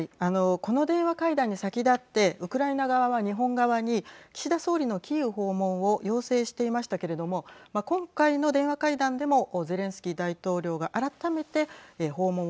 この電話会談に先立ってウクライナ側は日本側に岸田総理のキーウ訪問を要請していましたけれども今回の電話会談でもゼレンスキー大統領がはい。